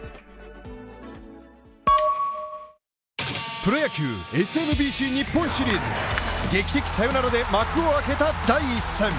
プロ野球ＳＭＢＣ日本シリーズ劇的サヨナラで幕を開けた第１戦。